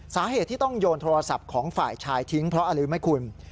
สาเหตุที่ต้องโยนโทรศัพท์ของฝ่ายชายทิ้งเพราะอะไรรู้ไหมคุณ